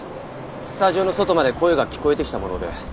スタジオの外まで声が聞こえてきたもので。